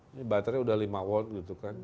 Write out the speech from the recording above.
ini baterai udah lima walt gitu kan